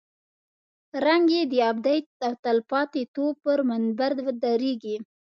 رنګ یې د ابدیت او تلپاتې توب پر منبر درېږي.